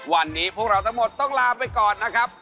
วันนี้พวกเราทั้งหมดต้องลาไปก่อนนะครับ